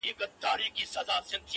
• ما و شیخ بېګا له یو خومه چيښله..